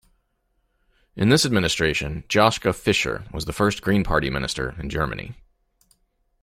In this administration, Joschka Fischer was the first green party minister in Germany.